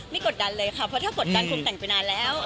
กดดันเลยค่ะเพราะถ้ากดดันคุณแต่งไปนานแล้ว